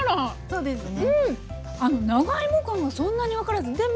そうですね。